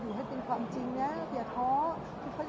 ได้ใช่ความจริงนะอย่าค้อเขาก็จะพูดพูดไปเรื่อยค่ะ